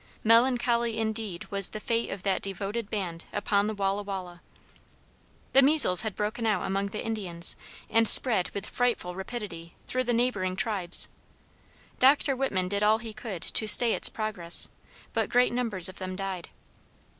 Melancholy indeed was the fate of that devoted band upon the Walla Walla! The measels had broken out among the Indians and spread with frightful rapidity through the neighboring tribes. Dr. Whitman did all he could to stay its progress, but great numbers of them died.